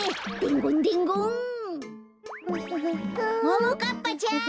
ももかっぱちゃん！